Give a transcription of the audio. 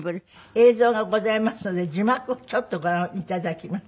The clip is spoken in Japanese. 映像がございますので字幕をちょっとご覧頂きます。